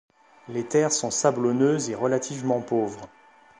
Les terres sont sablonneuses et relativement pauvres.